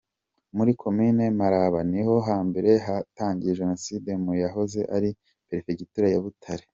Muri komini Maraba ni ho hambere hatangiye Jenoside mu yahoze ari Peregitura ya Butare.